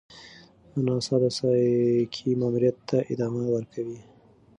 ناسا د سایکي ماموریت ته ادامه ورکوي.